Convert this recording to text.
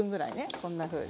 こんなふうに。